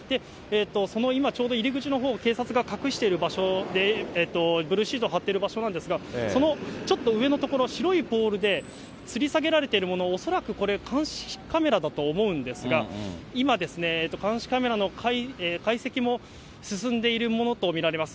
その今、ちょうど入り口のほう、警察が隠している場所で、ブルーシートを張ってる場所なんですが、そのちょっと上の所、白いポールでつり下げられているもの、恐らくこれ、監視カメラだと思うんですが、今、監視カメラの解析も進んでいるものと見られます。